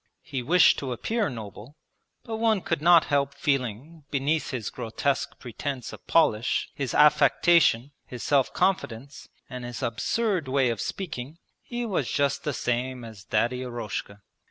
He wished to appear noble, but one could not help feeling beneath his grotesque pretence of polish, his affectation, his self confidence, and his absurd way of speaking, he was just the same as Daddy Eroshka.